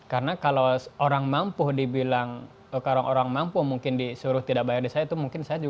karena kalau orang mampu dibilang kalau orang mampu mungkin disuruh tidak bayar di saya itu mungkin sekolah di saya itu